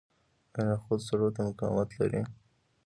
آیا نخود سړو ته مقاومت لري؟